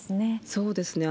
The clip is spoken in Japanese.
そうですね。